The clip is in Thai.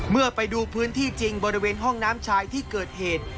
เมื่อไปดูพื้นที่จริงบริเวณห้องน้ำชายที่เกิดเหตุ